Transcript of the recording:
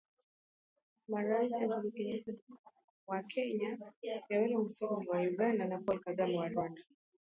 Maraisi Uhuru Kenyata wa Kenya Yoweri Museveni wa Uganda na Paul Kagame wa Rwanda